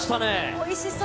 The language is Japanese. おいしそう。